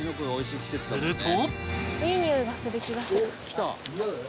すると